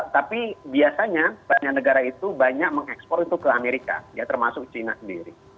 tapi biasanya banyak negara itu banyak mengekspor itu ke amerika ya termasuk china sendiri